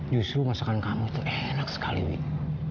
justru masakan kamu tuh enak sekali